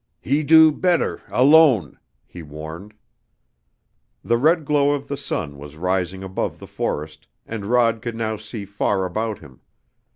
"He do better alone," he warned. The red glow of the sun was rising above the forest and Rod could now see far about him.